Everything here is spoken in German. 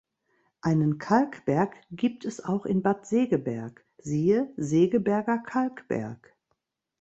Einen Kalkberg gibt es auch in Bad Segeberg, siehe Segeberger Kalkberg.